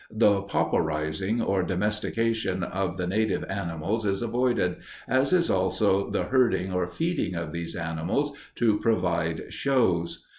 The pauperizing or domestication of the native animals is avoided, as is also the herding or feeding of these animals to provide 'shows.